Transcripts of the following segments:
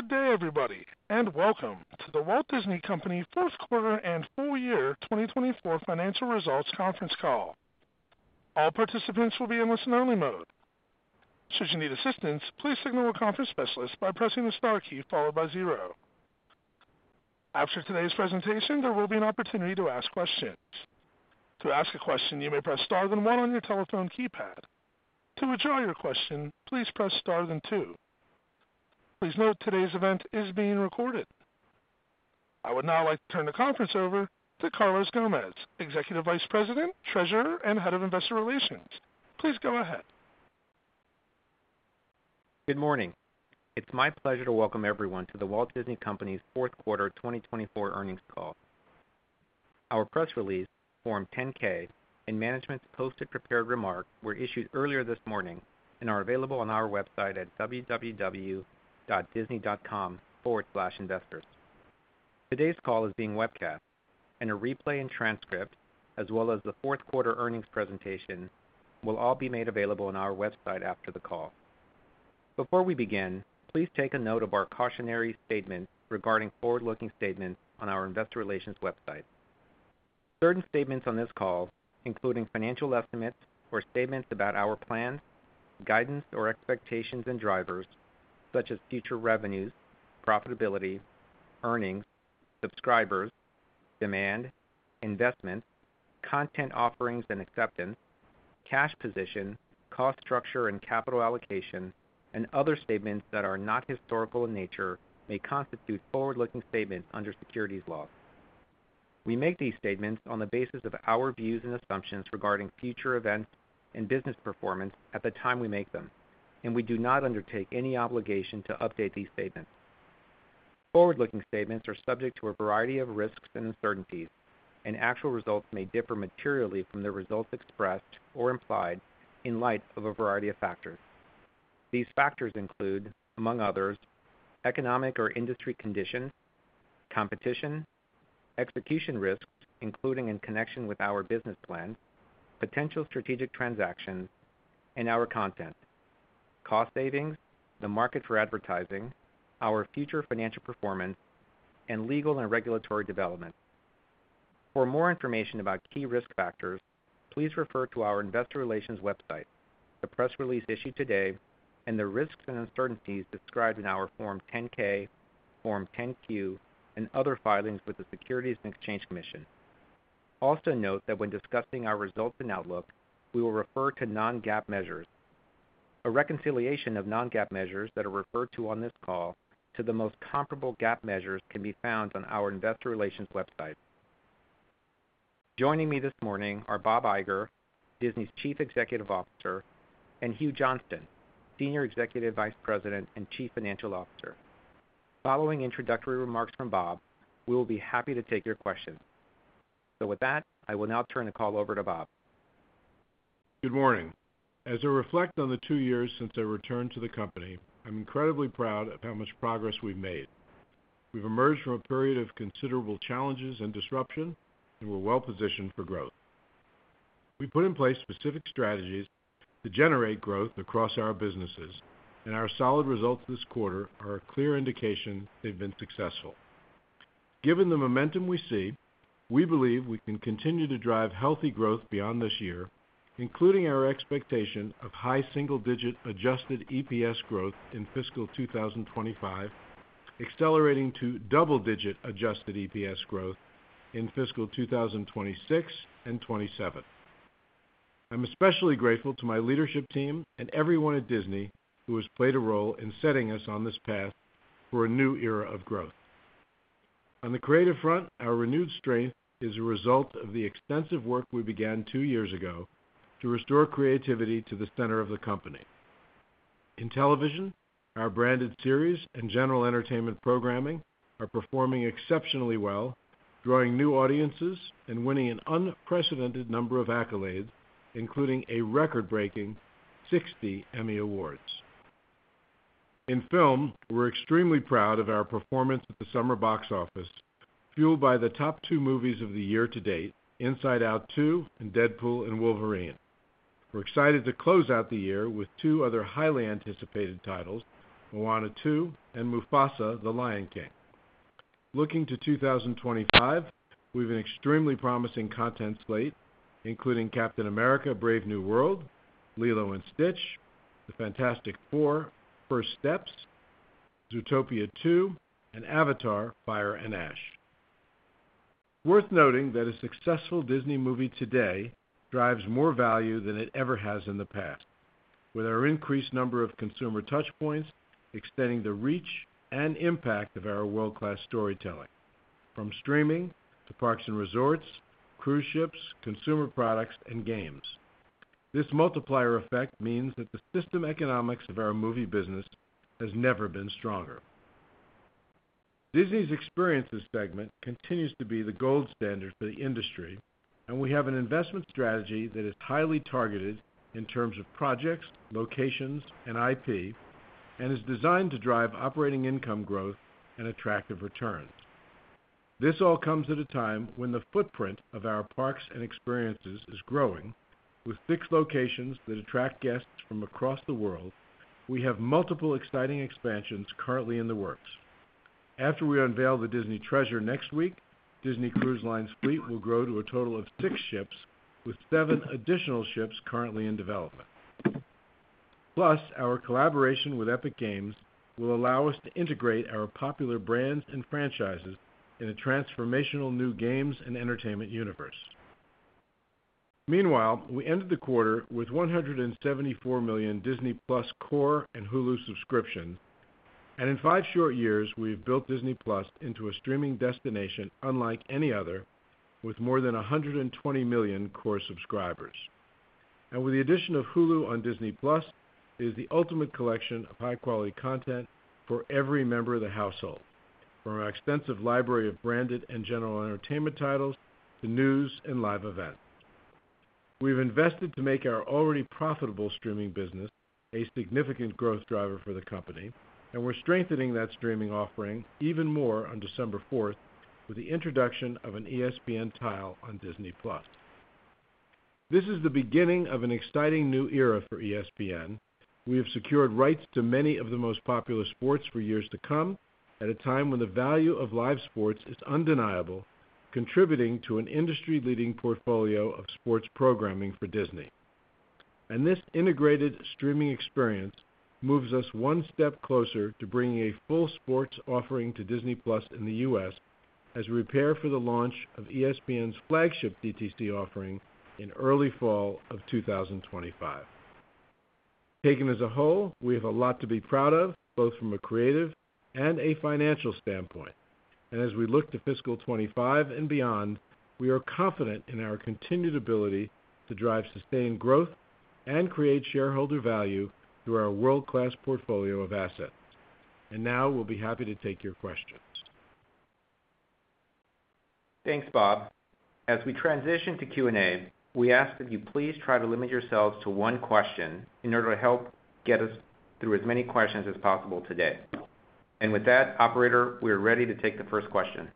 Good day, everybody, and welcome to The Walt Disney Company fourth quarter and full year 2024 financial results conference call. All participants will be in listen-only mode. Should you need assistance, please signal a conference specialist by pressing the star key followed by zero. After today's presentation, there will be an opportunity to ask questions. To ask a question, you may press star then one on your telephone keypad. To withdraw your question, please press star then two. Please note today's event is being recorded. I would now like to turn the conference over to Carlos Gómez, Executive Vice President, Treasurer, and Head of Investor Relations. Please go ahead. Good morning. It's my pleasure to welcome everyone to the Walt Disney Company's fourth quarter 2024 earnings call. Our press release, Form 10-K, and management's posted prepared remarks were issued earlier this morning and are available on our website at www.disney.com/investors. Today's call is being webcast, and a replay and transcript, as well as the fourth quarter earnings presentation, will all be made available on our website after the call. Before we begin, please take note of our cautionary statements regarding forward-looking statements on our Investor Relations website. Certain statements on this call, including financial estimates or statements about our plans, guidance, or expectations and drivers, such as future revenues, profitability, earnings, subscribers, demand, investment, content offerings and acceptance, cash position, cost structure and capital allocation, and other statements that are not historical in nature, may constitute forward-looking statements under securities law. We make these statements on the basis of our views and assumptions regarding future events and business performance at the time we make them, and we do not undertake any obligation to update these statements. Forward-looking statements are subject to a variety of risks and uncertainties, and actual results may differ materially from the results expressed or implied in light of a variety of factors. These factors include, among others, economic or industry conditions, competition, execution risks, including in connection with our business plan, potential strategic transactions, and our content, cost savings, the market for advertising, our future financial performance, and legal and regulatory developments. For more information about key risk factors, please refer to our Investor Relations website, the press release issued today, and the risks and uncertainties described in our Form 10-K, Form 10-Q, and other filings with the Securities and Exchange Commission. Also note that when discussing our results and outlook, we will refer to non-GAAP measures. A reconciliation of non-GAAP measures that are referred to on this call to the most comparable GAAP measures can be found on our Investor Relations website. Joining me this morning are Bob Iger, Disney's Chief Executive Officer, and Hugh Johnston, Senior Executive Vice President and Chief Financial Officer. Following introductory remarks from Bob, we will be happy to take your questions. So with that, I will now turn the call over to Bob. Good morning. As I reflect on the two years since our return to the company, I'm incredibly proud of how much progress we've made. We've emerged from a period of considerable challenges and disruption, and we're well positioned for growth. We put in place specific strategies to generate growth across our businesses, and our solid results this quarter are a clear indication they've been successful. Given the momentum we see, we believe we can continue to drive healthy growth beyond this year, including our expectation of high single-digit adjusted EPS growth in fiscal 2025, accelerating to double-digit adjusted EPS growth in fiscal 2026 and 2027. I'm especially grateful to my leadership team and everyone at Disney who has played a role in setting us on this path for a new era of growth. On the creative front, our renewed strength is a result of the extensive work we began two years ago to restore creativity to the center of the company. In television, our branded series and general entertainment programming are performing exceptionally well, drawing new audiences and winning an unprecedented number of accolades, including a record-breaking 60 Emmy Awards. In film, we're extremely proud of our performance at the summer box office, fueled by the top two movies of the year to date: Inside Out 2 and Deadpool & Wolverine. We're excited to close out the year with two other highly anticipated titles: Moana 2 and Mufasa: The Lion King. Looking to 2025, we have an extremely promising content slate, including Captain America: Brave New World, Lilo & Stitch, The Fantastic Four: First Steps, Zootopia 2, and Avatar: Fire and Ash. Worth noting that a successful Disney movie today drives more value than it ever has in the past, with our increased number of consumer touchpoints extending the reach and impact of our world-class storytelling, from streaming to parks and resorts, cruise ships, consumer products, and games. This multiplier effect means that the system economics of our movie business has never been stronger. Disney's Experiences segment continues to be the gold standard for the industry, and we have an investment strategy that is highly targeted in terms of projects, locations, and IP, and is designed to drive operating income growth and attractive returns. This all comes at a time when the footprint of our parks and experiences is growing, with fixed locations that attract guests from across the world. We have multiple exciting expansions currently in the works. After we unveil the Disney Treasure next week, Disney Cruise Line's fleet will grow to a total of six ships, with seven additional ships currently in development. Plus, our collaboration with Epic Games will allow us to integrate our popular brands and franchises in a transformational new games and entertainment universe. Meanwhile, we ended the quarter with 174 million Disney+ Core and Hulu subscriptions, and in five short years, we have built Disney+ into a streaming destination unlike any other, with more than 120 million Core subscribers, and with the addition of Hulu on Disney+, it is the ultimate collection of high-quality content for every member of the household, from our extensive library of branded and general entertainment titles to news and live events. We've invested to make our already profitable streaming business a significant growth driver for the company, and we're strengthening that streaming offering even more on December 4th with the introduction of an ESPN tile on Disney+. This is the beginning of an exciting new era for ESPN. We have secured rights to many of the most popular sports for years to come at a time when the value of live sports is undeniable, contributing to an industry-leading portfolio of sports programming for Disney. And this integrated streaming experience moves us one step closer to bringing a full sports offering to Disney+ in the U.S. as we prepare for the launch of ESPN's flagship DTC offering in early fall of 2025. Taken as a whole, we have a lot to be proud of, both from a creative and a financial standpoint. As we look to fiscal 2025 and beyond, we are confident in our continued ability to drive sustained growth and create shareholder value through our world-class portfolio of assets. Now we'll be happy to take your questions. Thanks, Bob. As we transition to Q&A, we ask that you please try to limit yourselves to one question in order to help get us through as many questions as possible today. And with that, Operator, we are ready to take the first question.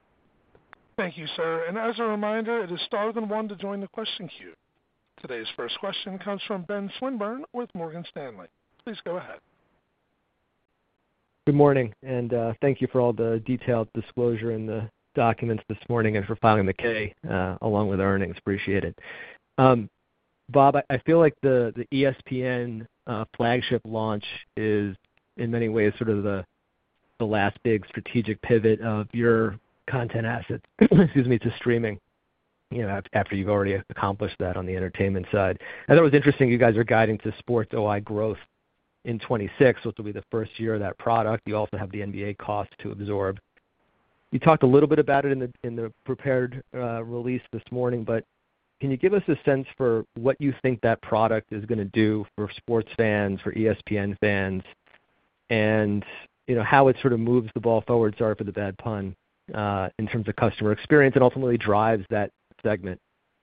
Thank you, sir, and as a reminder, it is star then one to join the question queue. Today's first question comes from Ben Swinburne with Morgan Stanley. Please go ahead. Good morning, and thank you for all the detailed disclosure in the documents this morning and for filing the 10-K along with earnings. Appreciate it. Bob, I feel like the ESPN Flagship launch is, in many ways, sort of the last big strategic pivot of your content assets, excuse me, to streaming, after you've already accomplished that on the entertainment side. I thought it was interesting you guys are guiding to sports OI growth in 2026, which will be the first year of that product. You also have the NBA cost to absorb. You talked a little bit about it in the prepared release this morning, but can you give us a sense for what you think that product is going to do for sports fans, for ESPN fans, and how it sort of moves the ball forward, sorry for the bad pun, in terms of customer experience and ultimately drives that segment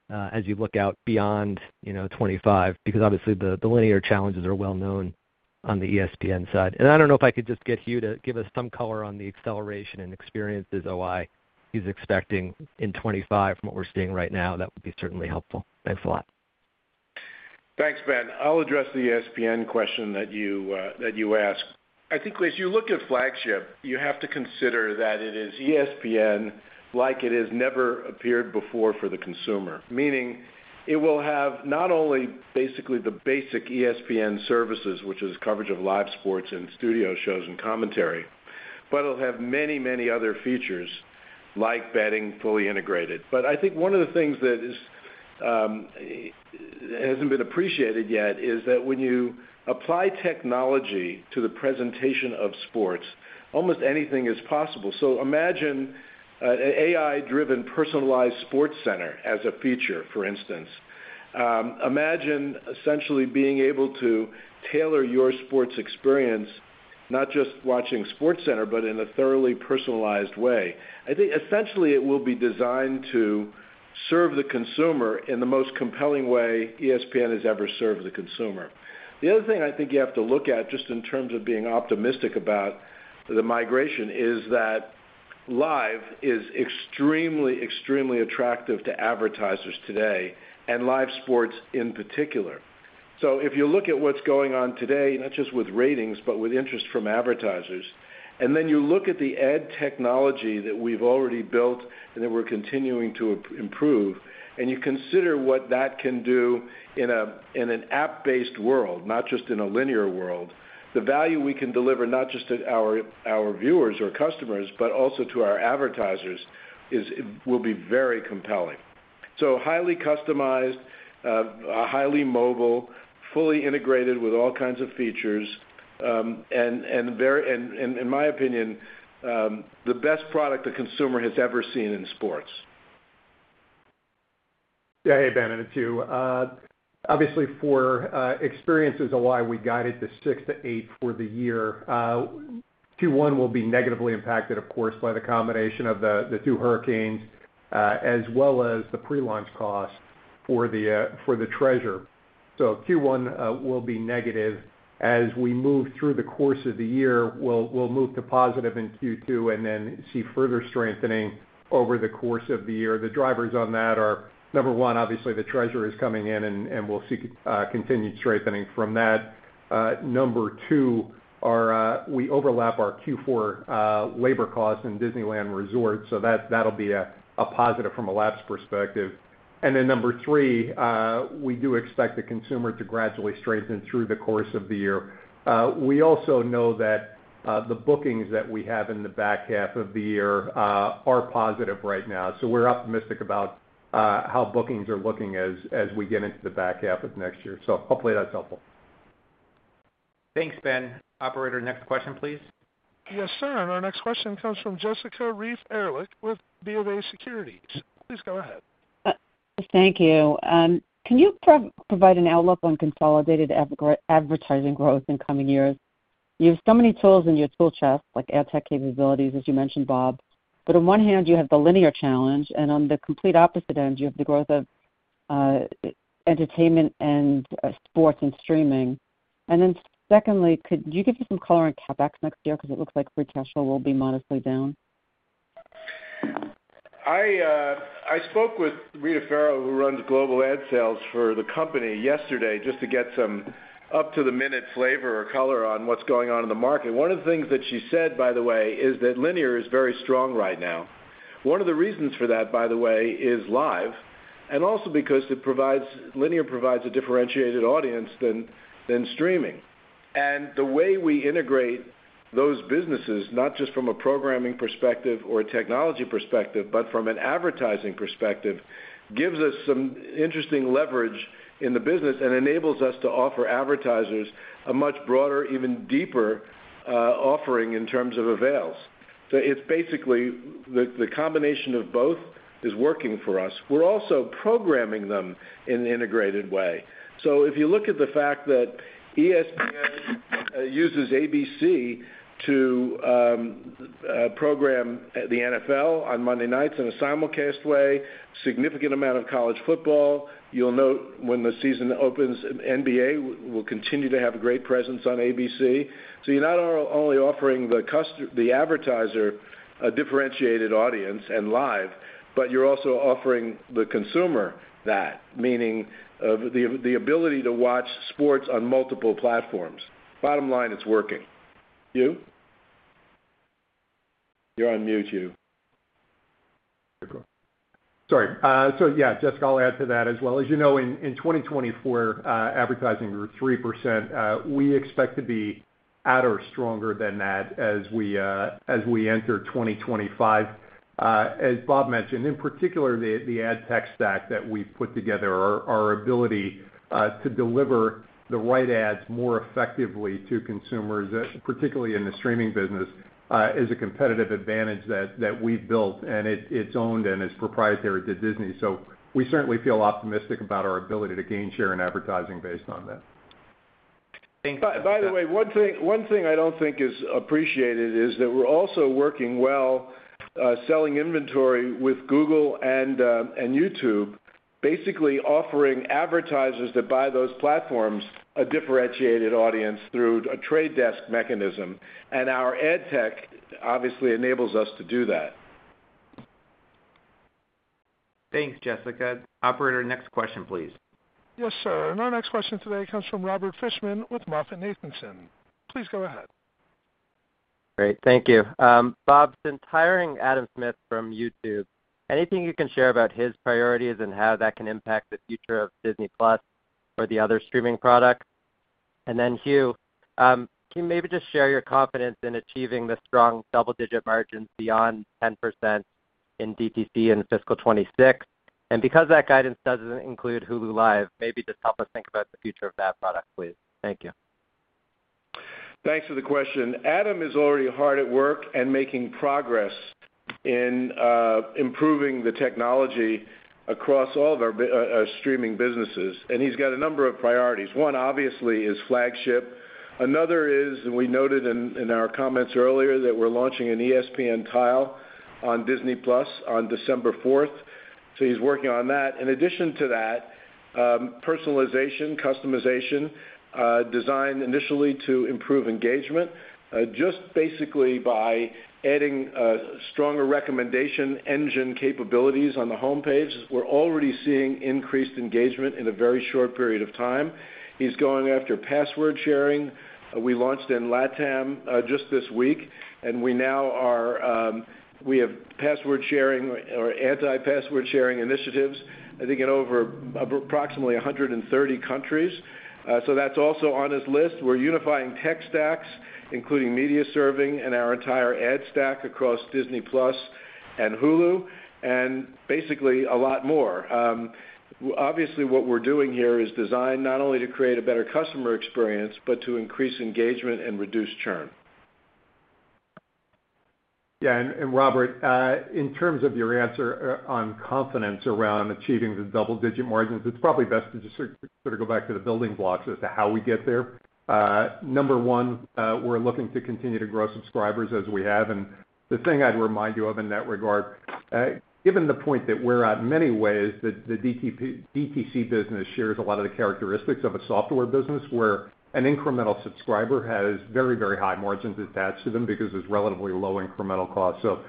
as you look out beyond 2025? Because obviously, the linear challenges are well known on the ESPN side. And I don't know if I could just get Hugh to give us some color on the acceleration and Experiences OI he's expecting in 2025 from what we're seeing right now. That would be certainly helpful. Thanks a lot. Thanks, Ben. I'll address the ESPN question that you asked. I think as you look at Flagship, you have to consider that it is ESPN like it has never appeared before for the consumer, meaning it will have not only basically the basic ESPN services, which is coverage of live sports and studio shows and commentary, but it'll have many, many other features like betting fully integrated. But I think one of the things that hasn't been appreciated yet is that when you apply technology to the presentation of sports, almost anything is possible. So imagine an AI-driven personalized SportsCenter as a feature, for instance. Imagine essentially being able to tailor your sports experience, not just watching SportsCenter, but in a thoroughly personalized way. I think essentially it will be designed to serve the consumer in the most compelling way ESPN has ever served the consumer. The other thing I think you have to look at just in terms of being optimistic about the migration is that live is extremely, extremely attractive to advertisers today and live sports in particular. So if you look at what's going on today, not just with ratings, but with interest from advertisers, and then you look at the ad technology that we've already built and that we're continuing to improve, and you consider what that can do in an app-based world, not just in a linear world, the value we can deliver not just to our viewers or customers, but also to our advertisers will be very compelling. Highly customized, highly mobile, fully integrated with all kinds of features, and in my opinion, the best product the consumer has ever seen in sports. Yeah, hey, Ben, and it's Hugh. Obviously, for Experiences OI, we guided to 6%-8% for the year. Q1 will be negatively impacted, of course, by the combination of the two hurricanes as well as the pre-launch cost for the Treasure. So Q1 will be negative. As we move through the course of the year, we'll move to positive in Q2 and then see further strengthening over the course of the year. The drivers on that are, number one, obviously the Treasure is coming in and we'll see continued strengthening from that. Number two, we overlap our Q4 labor costs in Disneyland Resort, so that'll be a positive from a labor's perspective. And then number three, we do expect the consumer to gradually strengthen through the course of the year. We also know that the bookings that we have in the back half of the year are positive right now. So we're optimistic about how bookings are looking as we get into the back half of next year. So hopefully that's helpful. Thanks, Ben. Operator, next question, please. Yes, sir. And our next question comes from Jessica Reif Ehrlich with BofA Securities. Please go ahead. Thank you. Can you provide an outlook on consolidated advertising growth in coming years? You have so many tools in your tool chest, like ad tech capabilities, as you mentioned, Bob. But on one hand, you have the linear challenge, and on the complete opposite end, you have the growth of entertainment and sports and streaming. And then secondly, could you give us some color on CapEx next year because it looks like free cash flow will be modestly down? I spoke with Rita Ferro, who runs global ad sales for the company, yesterday, just to get some up-to-the-minute flavor or color on what's going on in the market. One of the things that she said, by the way, is that linear is very strong right now. One of the reasons for that, by the way, is live and also because linear provides a differentiated audience than streaming. And the way we integrate those businesses, not just from a programming perspective or a technology perspective, but from an advertising perspective, gives us some interesting leverage in the business and enables us to offer advertisers a much broader, even deeper offering in terms of avails. So it's basically the combination of both is working for us. We're also programming them in an integrated way. So if you look at the fact that ESPN uses ABC to program the NFL on Monday nights in a simulcast way, a significant amount of college football. You'll note, when the season opens, NBA will continue to have a great presence on ABC. So you're not only offering the advertiser a differentiated audience and live, but you're also offering the consumer that, meaning the ability to watch sports on multiple platforms. Bottom line, it's working. Hugh? You're on mute, Hugh. Sorry. So yeah, Jessica, I'll add to that as well. As you know, in 2024, advertising grew 3%. We expect to be at or stronger than that as we enter 2025. As Bob mentioned, in particular, the ad tech stack that we've put together, our ability to deliver the right ads more effectively to consumers, particularly in the streaming business, is a competitive advantage that we've built and it's owned and it's proprietary to Disney. So we certainly feel optimistic about our ability to gain share in advertising based on that. Thank you. By the way, one thing I don't think is appreciated is that we're also working well selling inventory with Google and YouTube, basically offering advertisers that buy those platforms a differentiated audience through a Trade Desk mechanism. And our ad tech obviously enables us to do that. Thanks, Jessica. Operator, next question, please. Yes, sir, and our next question today comes from Robert Fishman with MoffettNathanson. Please go ahead. Great. Thank you. Bob, since hiring Adam Smith from YouTube, anything you can share about his priorities and how that can impact the future of Disney+ or the other streaming products? And then Hugh, can you maybe just share your confidence in achieving the strong double-digit margins beyond 10% in DTC in fiscal 2026? And because that guidance doesn't include Hulu Live, maybe just help us think about the future of that product, please. Thank you. Thanks for the question. Adam is already hard at work and making progress in improving the technology across all of our streaming businesses, and he's got a number of priorities. One, obviously, is flagship. Another is, and we noted in our comments earlier, that we're launching an ESPN tile on Disney+ on December 4th, so he's working on that. In addition to that, personalization, customization, designed initially to improve engagement, just basically by adding stronger recommendation engine capabilities on the homepage. We're already seeing increased engagement in a very short period of time. He's going after password sharing. We launched in LATAM just this week, and we have password sharing or anti-password sharing initiatives, I think, in approximately 130 countries, so that's also on his list. We're unifying tech stacks, including media serving and our entire ad stack across Disney+ and Hulu, and basically a lot more. Obviously, what we're doing here is designed not only to create a better customer experience, but to increase engagement and reduce churn. Yeah. And Robert, in terms of your answer on confidence around achieving the double-digit margins, it's probably best to just sort of go back to the building blocks as to how we get there. Number one, we're looking to continue to grow subscribers as we have. And the thing I'd remind you of in that regard, given the point that we're at, many ways that the DTC business shares a lot of the characteristics of a software business where an incremental subscriber has very, very high margins attached to them because there's relatively low incremental costs. So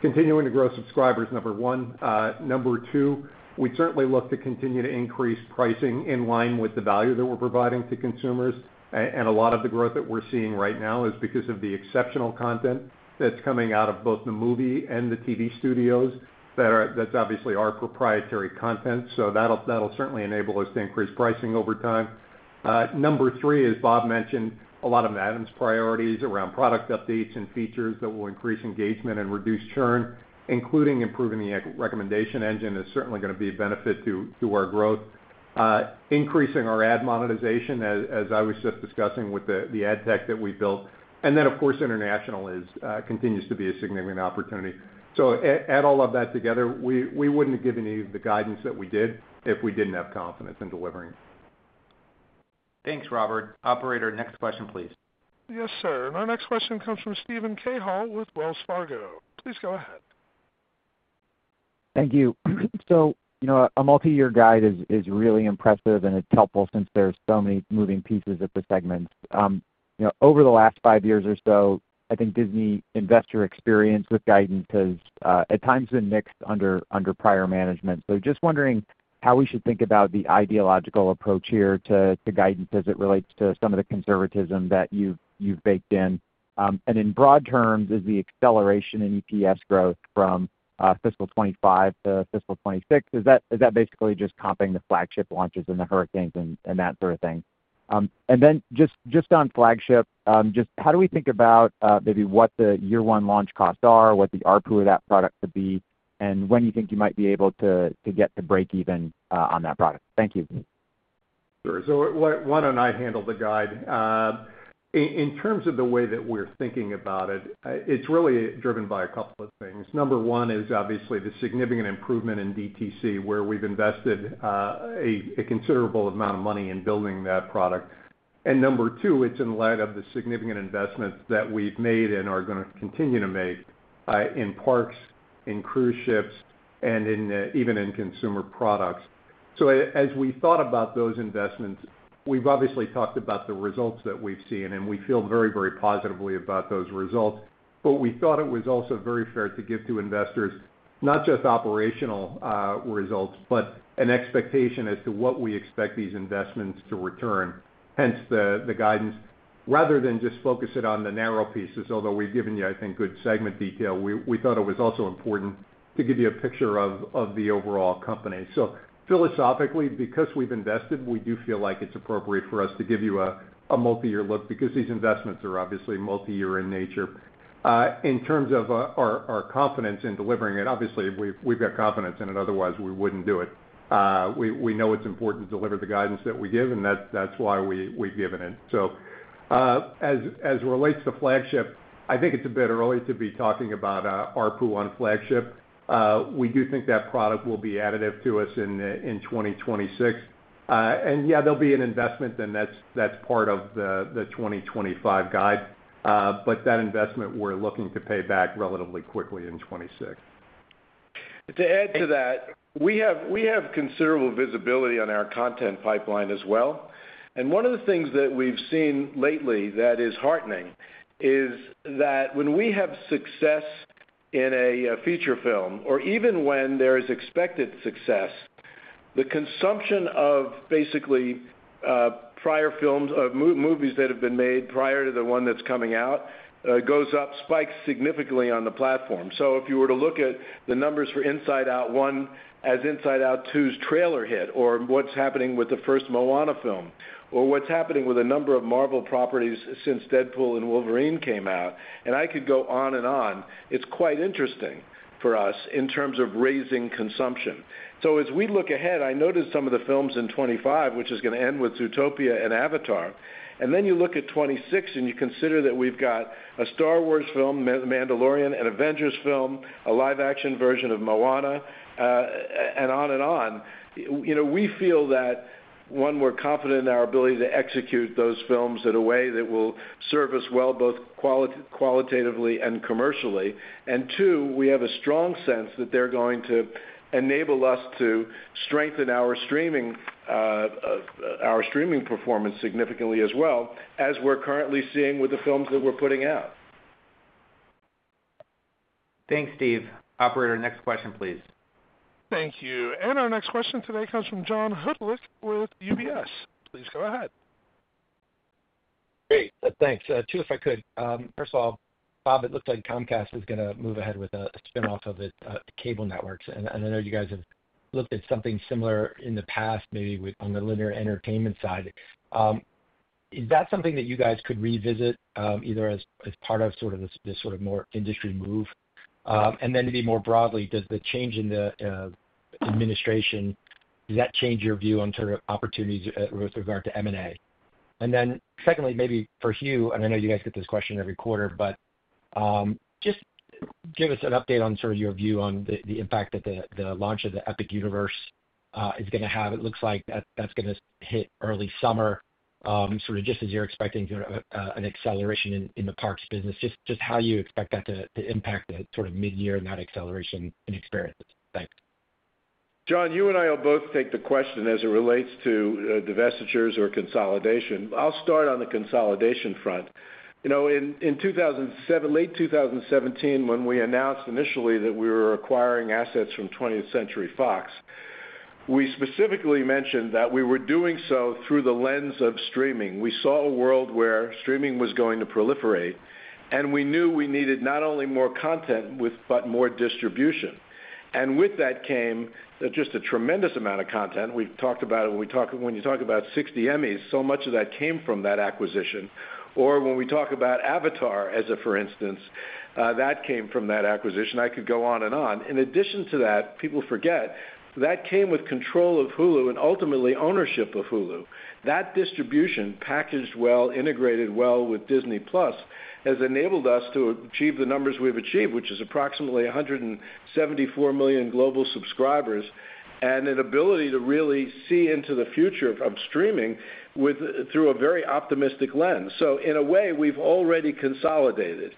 continuing to grow subscribers, number one. Number two, we certainly look to continue to increase pricing in line with the value that we're providing to consumers. And a lot of the growth that we're seeing right now is because of the exceptional content that's coming out of both the movie and the TV studios. That's obviously our proprietary content. So that'll certainly enable us to increase pricing over time. Number three, as Bob mentioned, a lot of Adam's priorities around product updates and features that will increase engagement and reduce churn, including improving the recommendation engine, is certainly going to be a benefit to our growth. Increasing our ad monetization, as I was just discussing with the ad tech that we built. And then, of course, international continues to be a significant opportunity. So add all of that together. We wouldn't have given you the guidance that we did if we didn't have confidence in delivering. Thanks, Robert. Operator, next question, please. Yes, sir. And our next question comes from Steven Cahall with Wells Fargo. Please go ahead. Thank you, so a multi-year guide is really impressive and it's helpful since there are so many moving pieces at the segment. Over the last five years or so, I think Disney investor experience with guidance has at times been mixed under prior management. Just wondering how we should think about the ideological approach here to guidance as it relates to some of the conservatism that you've baked in, and in broad terms, is the acceleration in EPS growth from fiscal 2025 to fiscal 2026? Is that basically just comping the ESPN Flagship launches and the hurricanes and that sort of thing? Then just on ESPN Flagship, just how do we think about maybe what the year one launch costs are, what the ARPU of that product could be, and when you think you might be able to get to break even on that product? Thank you. Sure. So why don't I handle the guidance? In terms of the way that we're thinking about it, it's really driven by a couple of things. Number one is obviously the significant improvement in DTC where we've invested a considerable amount of money in building that product. And number two, it's in light of the significant investments that we've made and are going to continue to make in parks, in cruise ships, and even in consumer products. So as we thought about those investments, we've obviously talked about the results that we've seen, and we feel very, very positively about those results. But we thought it was also very fair to give to investors not just operational results, but an expectation as to what we expect these investments to return, hence the guidance, rather than just focus it on the narrow pieces. Although we've given you, I think, good segment detail, we thought it was also important to give you a picture of the overall company. So philosophically, because we've invested, we do feel like it's appropriate for us to give you a multi-year look because these investments are obviously multi-year in nature. In terms of our confidence in delivering it, obviously, we've got confidence in it. Otherwise, we wouldn't do it. We know it's important to deliver the guidance that we give, and that's why we've given it. So as it relates to Flagship, I think it's a bit early to be talking about ARPU on Flagship. We do think that product will be additive to us in 2026. And yeah, there'll be an investment, and that's part of the 2025 guide. But that investment, we're looking to pay back relatively quickly in 2026. To add to that, we have considerable visibility on our content pipeline as well. And one of the things that we've seen lately that is heartening is that when we have success in a feature film, or even when there is expected success, the consumption of basically prior films, movies that have been made prior to the one that's coming out, goes up, spikes significantly on the platform. So if you were to look at the numbers for Inside Out 1 as Inside Out 2's trailer hit, or what's happening with the first Moana film, or what's happening with a number of Marvel properties since Deadpool & Wolverine came out, and I could go on and on, it's quite interesting for us in terms of raising consumption. So as we look ahead, I noticed some of the films in 2025, which is going to end with Zootopia and Avatar. And then you look at 2026, and you consider that we've got a Star Wars film, Mandalorian, an Avengers film, a live-action version of Moana, and on and on. We feel that, one, we're confident in our ability to execute those films in a way that will serve us well both qualitatively and commercially. And two, we have a strong sense that they're going to enable us to strengthen our streaming performance significantly as well, as we're currently seeing with the films that we're putting out. Thanks, Steve. Operator, next question, please. Thank you. And our next question today comes from John Hodulik with UBS. Please go ahead. Great. Thanks. Two, if I could. First of all, Bob, it looks like Comcast is going to move ahead with a spin-off of its cable networks. And I know you guys have looked at something similar in the past, maybe on the linear entertainment side. Is that something that you guys could revisit either as part of sort of this sort of more industry move? And then maybe more broadly, does the change in the administration, does that change your view on sort of opportunities with regard to M&A? And then secondly, maybe for Hugh, and I know you guys get this question every quarter, but just give us an update on sort of your view on the impact that the launch of the Epic Universe is going to have. It looks like that's going to hit early summer, sort of just as you're expecting an acceleration in the parks business. Just how you expect that to impact the sort of mid-year and that acceleration in experience? Thanks. John, Hugh and I will both take the question as it relates to divestitures or consolidation. I'll start on the consolidation front. In late 2017, when we announced initially that we were acquiring assets from 20th Century Fox, we specifically mentioned that we were doing so through the lens of streaming. We saw a world where streaming was going to proliferate, and we knew we needed not only more content, but more distribution. And with that came just a tremendous amount of content. We've talked about it. When you talk about 60 Emmys, so much of that came from that acquisition. Or when we talk about Avatar, as a for instance, that came from that acquisition. I could go on and on. In addition to that, people forget, that came with control of Hulu and ultimately ownership of Hulu. That distribution, packaged well, integrated well with Disney+, has enabled us to achieve the numbers we've achieved, which is approximately 174 million global subscribers and an ability to really see into the future of streaming through a very optimistic lens, so in a way, we've already consolidated,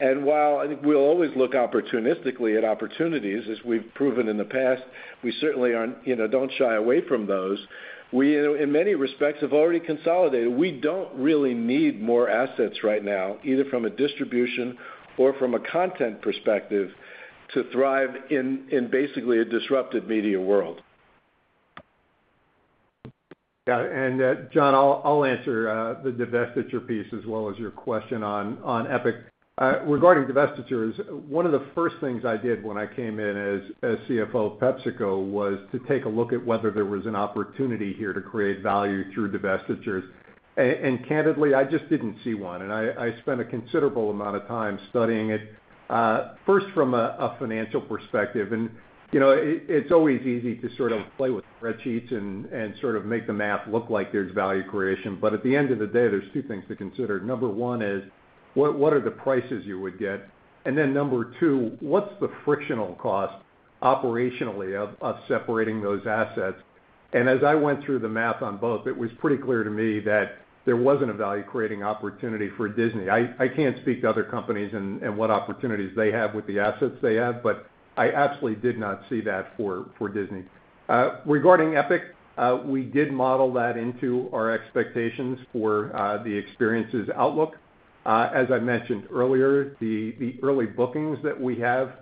and while we'll always look opportunistically at opportunities, as we've proven in the past, we certainly don't shy away from those. We, in many respects, have already consolidated. We don't really need more assets right now, either from a distribution or from a content perspective, to thrive in basically a disrupted media world. Yeah. And John, I'll answer the divestiture piece as well as your question on Epic. Regarding divestitures, one of the first things I did when I came in as CFO of PepsiCo was to take a look at whether there was an opportunity here to create value through divestitures. And candidly, I just didn't see one. And I spent a considerable amount of time studying it, first from a financial perspective. And it's always easy to sort of play with spreadsheets and sort of make the math look like there's value creation. But at the end of the day, there's two things to consider. Number one is, what are the prices you would get? And then number two, what's the frictional cost operationally of separating those assets? And as I went through the math on both, it was pretty clear to me that there wasn't a value-creating opportunity for Disney. I can't speak to other companies and what opportunities they have with the assets they have, but I absolutely did not see that for Disney. Regarding Epic, we did model that into our expectations for the experiences outlook. As I mentioned earlier, the early bookings that we have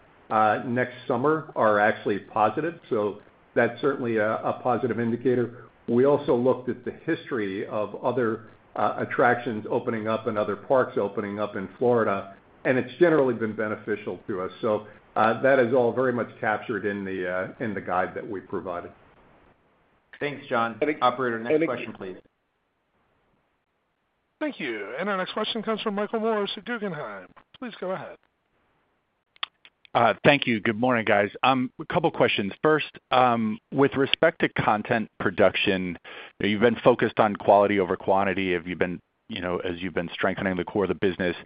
next summer are actually positive, so that's certainly a positive indicator. We also looked at the history of other attractions opening up and other parks opening up in Florida, and it's generally been beneficial to us, so that is all very much captured in the guide that we provided. Thanks, John. Operator, next question, please. Thank you. And our next question comes from Michael Morris at Guggenheim. Please go ahead. Thank you. Good morning, guys. A couple of questions. First, with respect to content production, you've been focused on quality over quantity as you've been strengthening the core of the business.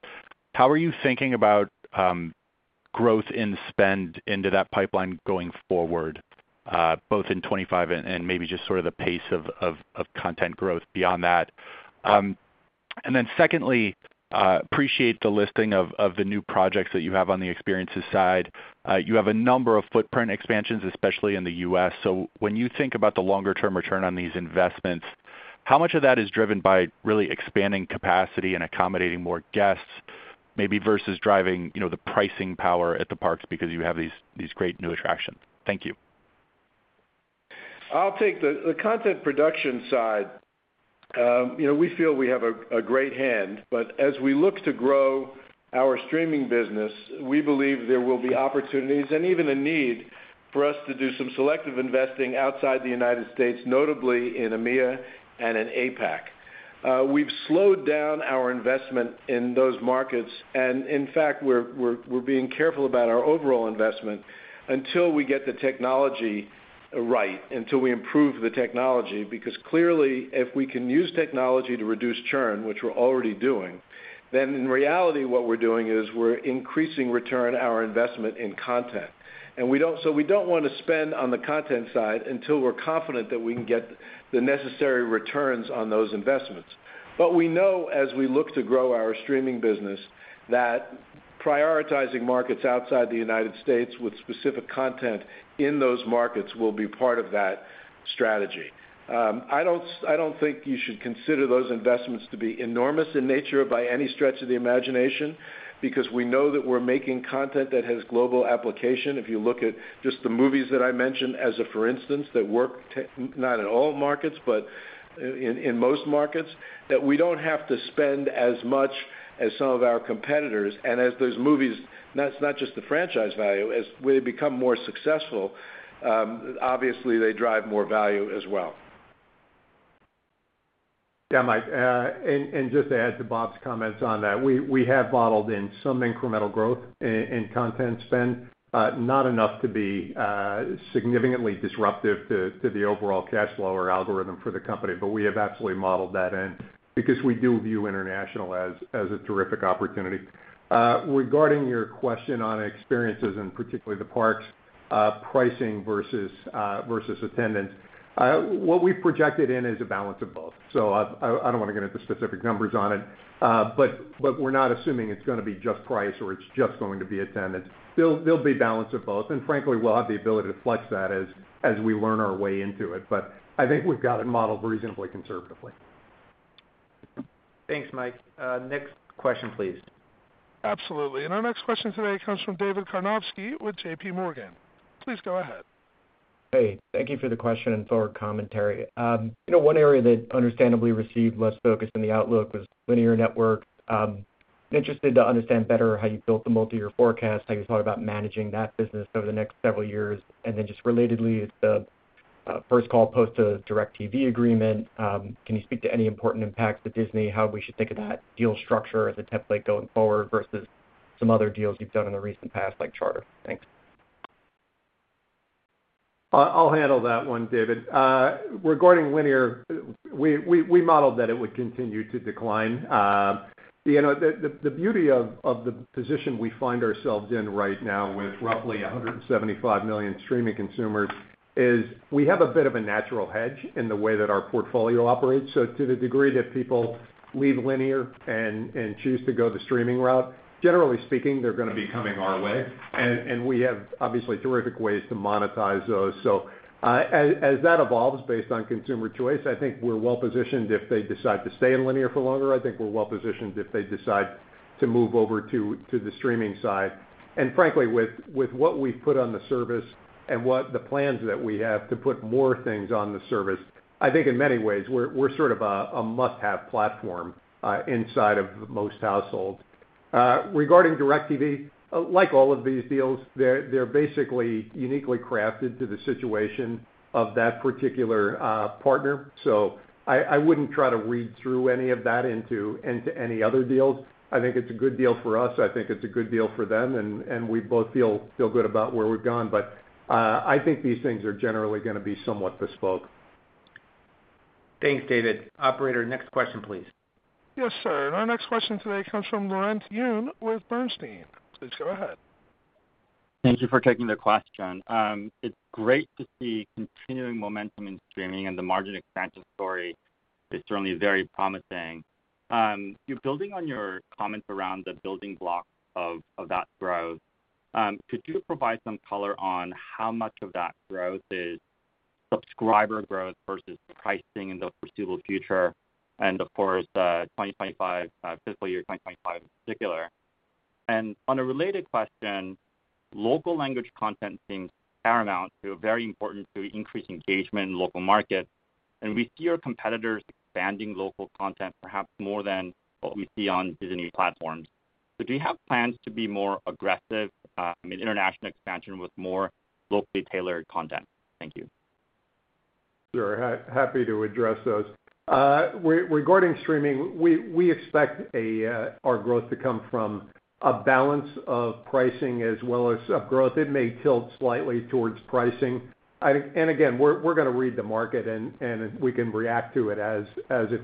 How are you thinking about growth in spend into that pipeline going forward, both in 2025 and maybe just sort of the pace of content growth beyond that? And then secondly, appreciate the listing of the new projects that you have on the experiences side. You have a number of footprint expansions, especially in the U.S. So when you think about the longer-term return on these investments, how much of that is driven by really expanding capacity and accommodating more guests, maybe versus driving the pricing power at the parks because you have these great new attractions? Thank you. I'll take the content production side. We feel we have a great hand, but as we look to grow our streaming business, we believe there will be opportunities and even a need for us to do some selective investing outside the United States, notably in EMEA and in APAC. We've slowed down our investment in those markets, and in fact, we're being careful about our overall investment until we get the technology right, until we improve the technology. Because clearly, if we can use technology to reduce churn, which we're already doing, then in reality, what we're doing is we're increasing return on our investment in content, and so we don't want to spend on the content side until we're confident that we can get the necessary returns on those investments. But we know as we look to grow our streaming business that prioritizing markets outside the United States with specific content in those markets will be part of that strategy. I don't think you should consider those investments to be enormous in nature by any stretch of the imagination because we know that we're making content that has global application. If you look at just the movies that I mentioned as a for instance that work not in all markets, but in most markets, that we don't have to spend as much as some of our competitors. And as those movies, that's not just the franchise value. As they become more successful, obviously, they drive more value as well. Yeah, Mike, and just to add to Bob's comments on that, we have modeled in some incremental growth in content spend, not enough to be significantly disruptive to the overall cash flow or algorithm for the company, but we have absolutely modeled that in because we do view international as a terrific opportunity. Regarding your question on experiences and particularly the parks pricing versus attendance, what we've projected in is a balance of both, so I don't want to get into specific numbers on it, but we're not assuming it's going to be just price or it's just going to be attendance. There'll be balance of both, and frankly, we'll have the ability to flex that as we learn our way into it, but I think we've got it modeled reasonably conservatively. Thanks, Mike. Next question, please. Absolutely. And our next question today comes from David Karnovsky with J.P. Morgan. Please go ahead. Hey, thank you for the question and thought commentary. One area that understandably received less focus in the outlook was linear network. Interested to understand better how you built the multi-year forecast, how you thought about managing that business over the next several years. And then just relatedly, it's the first call post-DIRECTV agreement. Can you speak to any important impacts to Disney, how we should think of that deal structure as a template going forward versus some other deals you've done in the recent past like Charter? Thanks. I'll handle that one, David. Regarding linear, we modeled that it would continue to decline. The beauty of the position we find ourselves in right now with roughly 175 million streaming consumers is we have a bit of a natural hedge in the way that our portfolio operates. So to the degree that people leave linear and choose to go the streaming route, generally speaking, they're going to be coming our way. And we have obviously terrific ways to monetize those. So as that evolves based on consumer choice, I think we're well positioned if they decide to stay in linear for longer. I think we're well positioned if they decide to move over to the streaming side. And frankly, with what we've put on the service and what the plans that we have to put more things on the service, I think in many ways, we're sort of a must-have platform inside of most households. Regarding DIRECTV, like all of these deals, they're basically uniquely crafted to the situation of that particular partner. So I wouldn't try to read through any of that into any other deals. I think it's a good deal for us. I think it's a good deal for them. And we both feel good about where we've gone. But I think these things are generally going to be somewhat bespoke. Thanks, David. Operator, next question, please. Yes, sir, and our next question today comes from Laurent Yoon with Bernstein. Please go ahead. Thank you for taking the question, John. It's great to see continuing momentum in streaming and the margin expansion story. It's certainly very promising. Building on your comments around the building blocks of that growth, could you provide some color on how much of that growth is subscriber growth versus pricing in the foreseeable future and, of course, the 2025 fiscal year, 2025 in particular? And on a related question, local language content seems paramount, very important to increase engagement in local markets. And we see our competitors expanding local content perhaps more than what we see on Disney platforms. So do you have plans to be more aggressive in international expansion with more locally tailored content? Thank you. Sure. Happy to address those. Regarding streaming, we expect our growth to come from a balance of pricing as well as growth. It may tilt slightly towards pricing. And again, we're going to read the market and we can react to it as it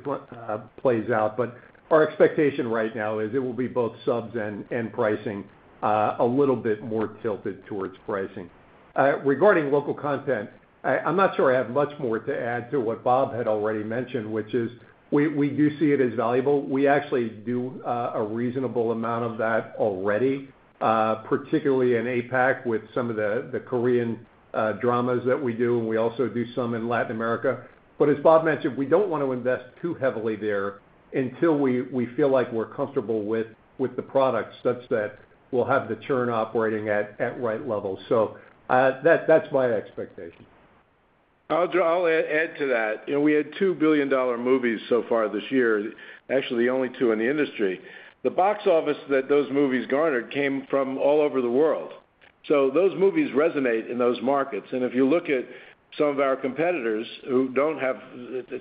plays out. But our expectation right now is it will be both subs and pricing a little bit more tilted towards pricing. Regarding local content, I'm not sure I have much more to add to what Bob had already mentioned, which is we do see it as valuable. We actually do a reasonable amount of that already, particularly in APAC with some of the Korean dramas that we do. And we also do some in Latin America. But as Bob mentioned, we don't want to invest too heavily there until we feel like we're comfortable with the products such that we'll have the churn operating at right levels. So that's my expectation. I'll add to that. We had $2 billion movies so far this year, actually the only two in the industry. The box office that those movies garnered came from all over the world. So those movies resonate in those markets. And if you look at some of our competitors who don't have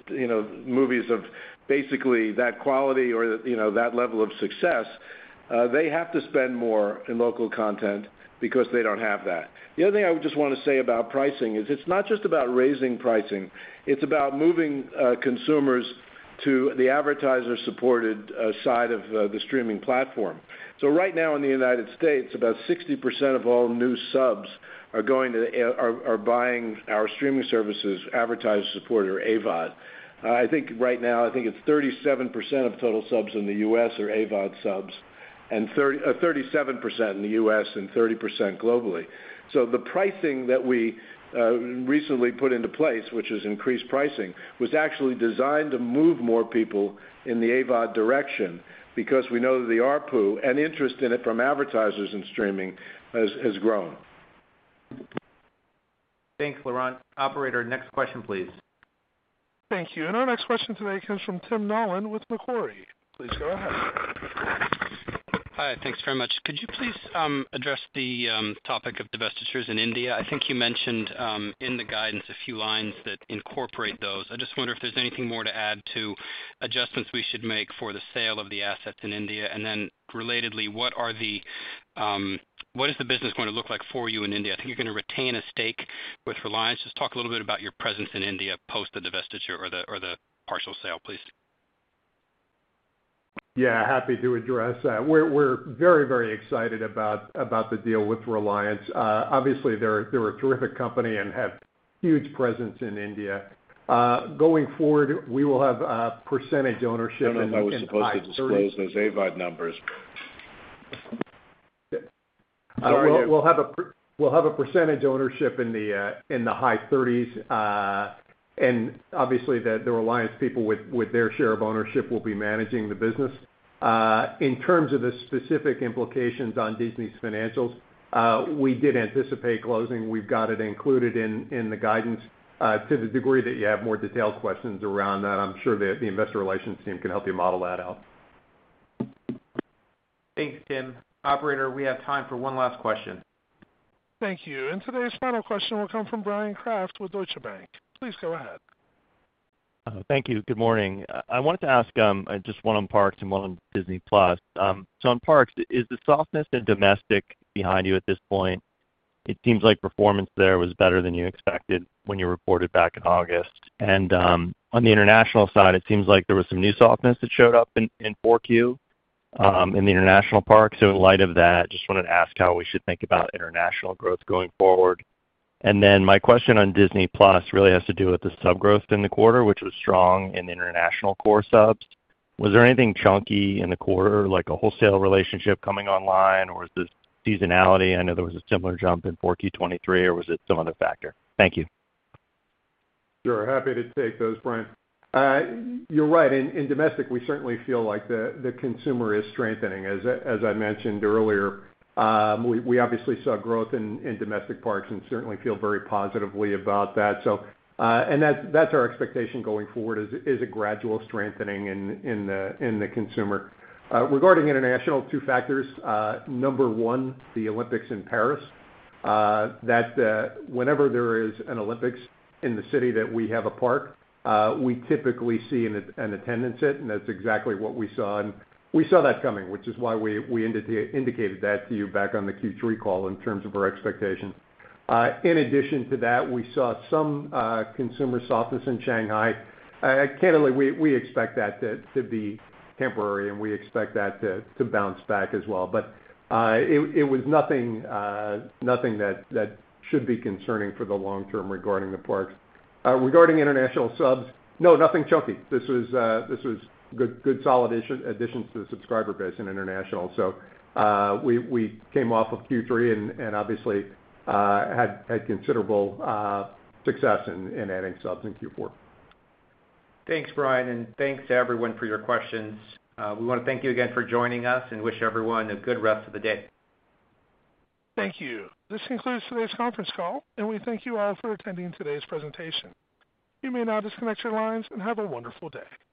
movies of basically that quality or that level of success, they have to spend more in local content because they don't have that. The other thing I would just want to say about pricing is it's not just about raising pricing. It's about moving consumers to the advertiser-supported side of the streaming platform. So right now in the United States, about 60% of all new subs are buying our streaming services, advertiser-supported or AVOD. I think right now, I think it's 37% of total subs in the U.S. are AVOD subs and 37% in the U.S. and 30% globally. So the pricing that we recently put into place, which is increased pricing, was actually designed to move more people in the AVOD direction because we know that the ARPU and interest in it from advertisers and streaming has grown. Thanks, Laurent. Operator, next question, please. Thank you. And our next question today comes from Tim Nollen with Macquarie. Please go ahead. Hi. Thanks very much. Could you please address the topic of divestitures in India? I think you mentioned in the guidance a few lines that incorporate those. I just wonder if there's anything more to add to adjustments we should make for the sale of the assets in India. And then relatedly, what is the business going to look like for you in India? I think you're going to retain a stake with Reliance. Just talk a little bit about your presence in India post the divestiture or the partial sale, please. Yeah, happy to address that. We're very, very excited about the deal with Reliance. Obviously, they're a terrific company and have huge presence in India. Going forward, we will have percentage ownership in the U.S. I wasn't supposed to disclose those AVOD numbers. We'll have a percentage ownership in the high 30s. And obviously, the Reliance people with their share of ownership will be managing the business. In terms of the specific implications on Disney's financials, we did anticipate closing. We've got it included in the guidance to the degree that you have more detailed questions around that. I'm sure the investor relations team can help you model that out. Thanks, Tim. Operator, we have time for one last question. Thank you. And today's final question will come from Bryan Kraft with Deutsche Bank. Please go ahead. Thank you. Good morning. I wanted to ask just one on parks and one on Disney+. So on parks, is the softness in domestic behind you at this point? It seems like performance there was better than you expected when you reported back in August. And on the international side, it seems like there was some new softness that showed up in 4Q in the international parks. So in light of that, just wanted to ask how we should think about international growth going forward. And then my question on Disney+ really has to do with the sub growth in the quarter, which was strong in the international core subs. Was there anything chunky in the quarter, like a wholesale relationship coming online, or was it seasonality? I know there was a similar jump in 4Q23, or was it some other factor? Thank you. Sure. Happy to take those, Bryan. You're right. In domestic, we certainly feel like the consumer is strengthening. As I mentioned earlier, we obviously saw growth in domestic parks and certainly feel very positively about that. And that's our expectation going forward is a gradual strengthening in the consumer. Regarding international, two factors. Number one, the Olympics in Paris. Whenever there is an Olympics in the city that we have a park, we typically see an attendance hit. And that's exactly what we saw. And we saw that coming, which is why we indicated that to you back on the Q3 call in terms of our expectation. In addition to that, we saw some consumer softness in Shanghai. Candidly, we expect that to be temporary, and we expect that to bounce back as well. But it was nothing that should be concerning for the long term regarding the parks. Regarding international subs, no, nothing chunky. This was good solid additions to the subscriber base in international. So we came off of Q3 and obviously had considerable success in adding subs in Q4. Thanks, Bryan, and thanks to everyone for your questions. We want to thank you again for joining us and wish everyone a good rest of the day. Thank you. This concludes today's conference call. We thank you all for attending today's presentation. You may now disconnect your lines and have a wonderful day.